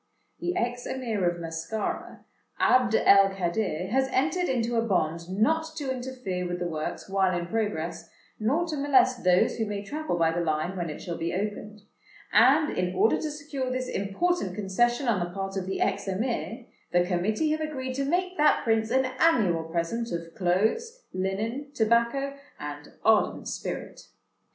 "The ex Emir of Mascara, Abd el Kadir, has entered into a bond not to interfere with the works while in progress, nor to molest those who may travel by the Line when it shall be opened; and, in order to secure this important concession on the part of the ex Emir, the Committee have agreed to make that Prince an annual present of clothes, linen, tobacco, and ardent spirit.